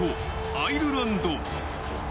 アイルランド。